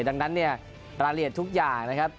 ดังนั้นเนี่ยรายละเอียดทุกอย่างนะครับ